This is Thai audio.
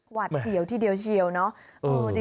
หวัดเสียวทีเดียวเชียวเนอะ